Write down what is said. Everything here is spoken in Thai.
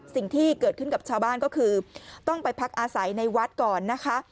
สิ่งที่เกิดขึ้นกับชาวบ้านก็คือต้องไปพักอาศัยในวัดก่อนนะคะ